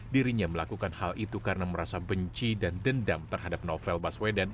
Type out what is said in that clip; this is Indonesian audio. dirinya melakukan hal itu karena merasa benci dan dendam terhadap novel baswedan